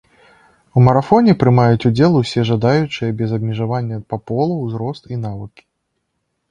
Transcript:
У марафоне прымаюць удзел усе жадаючыя без абмежавання па полу, ўзрост і навыкі.